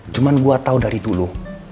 cuma buat tahu dari dulu